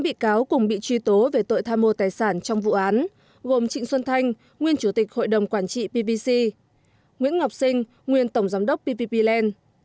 bốn bị cáo cùng bị truy tố về tội tham mô tài sản trong vụ án gồm trịnh xuân thanh nguyên chủ tịch hội đồng quản trị pvc nguyễn ngọc sinh nguyên tổng giám đốc pvp land